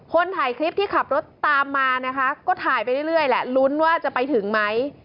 ถ่ายคลิปที่ขับรถตามมานะคะก็ถ่ายไปเรื่อยแหละลุ้นว่าจะไปถึงไหม